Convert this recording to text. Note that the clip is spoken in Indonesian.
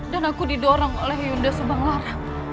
dan aku didorong oleh yunda sebanglar